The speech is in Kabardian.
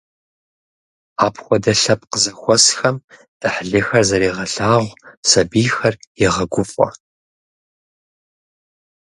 Апхуэдэ лъэпкъ зэхуэсхэм Ӏыхьлыхэр зэрегъэлъагъу, сабийхэр егъэгуфӏэ.